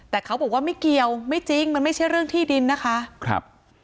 แต่เขาบอกว่าไม่เกี่ยวไม่จริงมันไม่ใช่เรื่องที่ดินนะคะครับ